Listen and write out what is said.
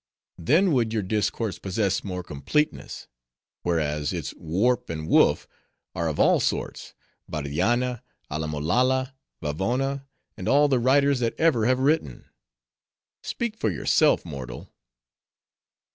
then would your discourse possess more completeness; whereas, its warp and woof are of all sorts,—Bardianna, Alla Malolla, Vavona, and all the writers that ever have written. Speak for yourself, mortal!"